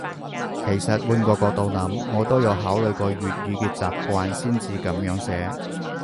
其實換個角度諗，我都有考慮過粵語嘅習慣先至噉樣寫